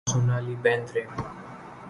عرفان خان اور سونالی بیندر ے